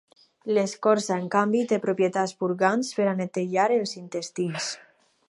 L'escorça, en canvi, té propietats purgants, per a netejar els intestins.